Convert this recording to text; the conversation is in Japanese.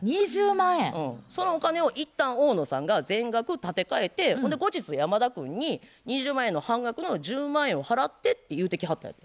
そのお金を一旦大野さんが全額立て替えてほんで後日山田君に２０万円の半額の１０万円を払ってって言うてきはったんやて。